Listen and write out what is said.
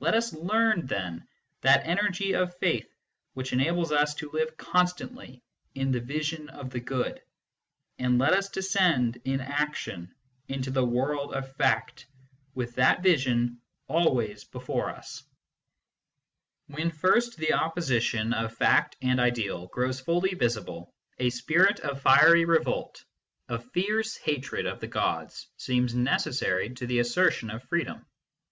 Let us learn, then, that energy of faith which enables us to live constantly in the vision of the good ; and let us descend, in action, into the world of *act, with that vision always before us. A FREE MAN S WORSHIP 51 When first the opposition of fact and ideal grows fully visible, a spirit of fiery revolt, of fierce hatred of the gods, seems necessary to the assertion of freedom.